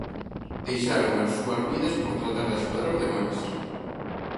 Deixaron as súas vidas por tratar de axudar os demais.